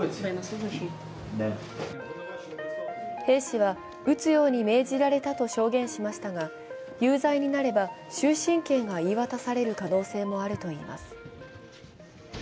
兵士は、撃つように命じられたと証言しましたが有罪になれば終身刑が言い渡される可能性もあるといいます。